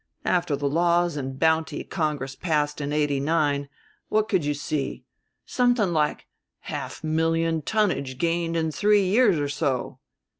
After the laws and bounties Congress passed in 'eighty nine what could you see something like a half million tonnage gained in three years or so.